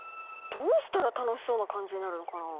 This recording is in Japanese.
どうしたら楽しそうな感じになるのかな？